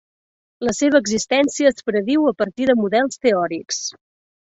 La seva existència es prediu a partir de models teòrics.